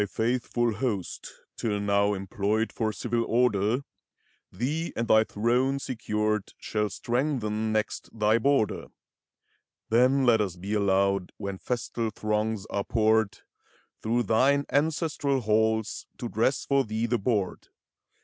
ARCH MARSHAL. Thy faithful host, till now employed for civil order, Thee and thy throne secured, shall strengthen next thy border : Then let us be allowed, when festal throngs are poured Through thine ancestral halls, to dress for thee the board.